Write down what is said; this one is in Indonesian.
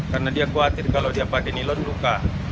karena dia khawatir kalau dia pakai nilon luka